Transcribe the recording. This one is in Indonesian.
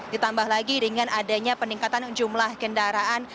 ditambah lagi dengan adanya peningkatan jumlah kendaraan